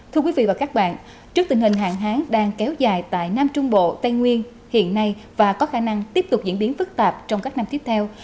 thưa quý vị và các bạn trước tình hình hạn hán đang kéo dài tại nam trung bộ tây nguyên hiện nay và có khả năng tiếp tục diễn biến phức tạp trong các năm tiếp theo